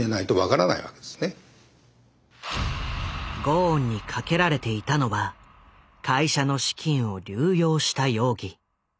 ゴーンにかけられていたのは会社の資金を流用した容疑。